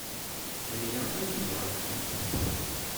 D aya ay yebɣa Tom?